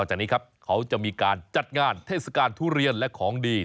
จากนี้ครับเขาจะมีการจัดงานเทศกาลทุเรียนและของดี